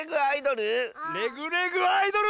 「レグ・レグ・アイドル」？